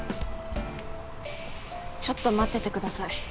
ちょっと待っててください。